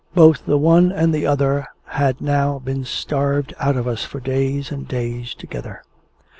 Both the one and the other had now been starved out of us for days and days together.